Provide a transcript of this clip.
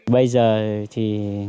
bây giờ thì